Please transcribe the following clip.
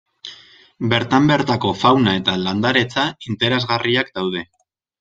Bertan bertako fauna eta landaretza interesgarriak daude.